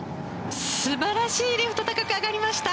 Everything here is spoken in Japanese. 素晴らしいリフト高く上がりました。